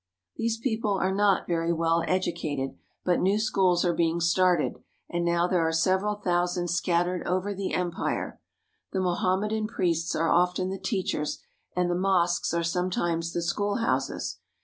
These people are not very well educated, but new schools are being started, and now there are several thou sand scattered over the empire. The Mohammedan priests are often the teachers, and the mosques are sometimes the school houses.